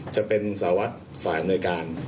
จะเป็นสวัสดิ์ศิวากรฝ่ายอำนวยการ